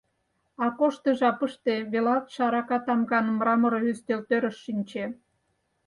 Акош ты жапыште велалтше арака тамган мрамор ӱстелтӧрыш шинче.